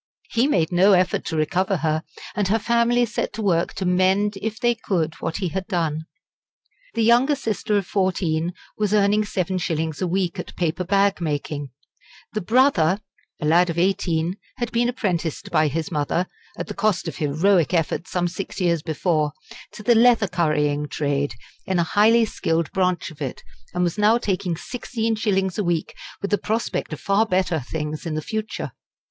He made no effort to recover her, and her family set to work to mend if they could what he had done. The younger sister of fourteen was earning seven shillings a week at paper bag making; the brother, a lad of eighteen, had been apprenticed by his mother, at the cost of heroic efforts some six years before, to the leather currying trade, in a highly skilled branch of it, and was now taking sixteen shillings a week with the prospect of far better things in the future.